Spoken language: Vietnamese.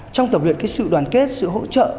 trong tập luyện sự đoàn kết sự hỗ trợ